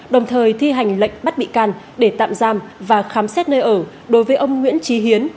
đồng thời thi hành lệnh bắt bị can để tạm giam và khám xét nơi ở đối với ông nguyễn trí hiến